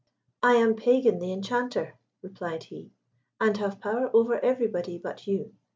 "I am Pagan the Enchanter," replied he, "and have power over everybody but you.